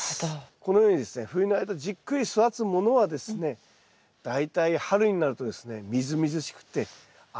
このようにですね冬の間じっくり育つものはですね大体春になるとですねみずみずしくて甘いカブができるんですよ。